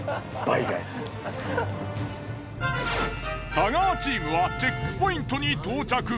太川チームはチェックポイントに到着。